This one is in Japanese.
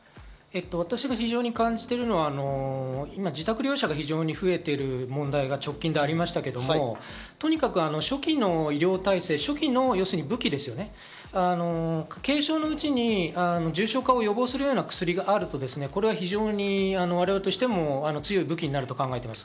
私が非常に感じているのは今、自宅療養者がかなり増えている問題が直近でありましたけど、とにかく初期の医療体制、初期の武器ですね、軽症のうちに重症化を予防するような薬があると、これは非常に我々としても強い武器になると考えています。